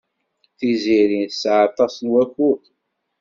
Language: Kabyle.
Tiziri tesɛa aṭas n wakud.